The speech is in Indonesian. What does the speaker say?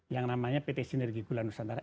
yang namanya pt sinergi gula nusantara